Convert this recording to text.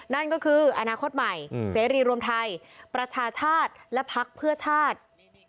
นั่นก็คืออนาคตใหม่เสรีรวมไทยประชาชาติและพักเพื่อชาติ